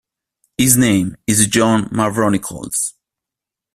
His name is John Mavronicles.